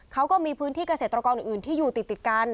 เขาก็มีพื้นที่เกษตรกรอื่นที่อยู่ติดกัน